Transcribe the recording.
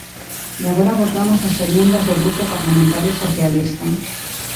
E agora votamos as emendas do Grupo Parlamentario Socialista.